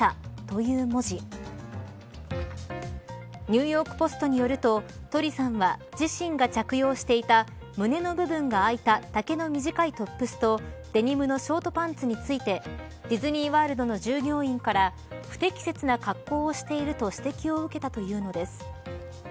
ニューヨーク・ポストによるとトリさんは自身が着用していた胸の部分が開いた丈の短いトップスとデニムのショートパンツについてディズニー・ワールドの従業員から不適切な格好をしていると指摘を受けたというのです。